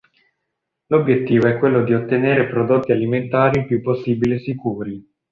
L'obiettivo è quello di ottenere prodotti alimentari il più possibile sicuri.